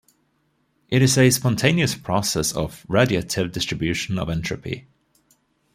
It is a spontaneous process of radiative distribution of entropy.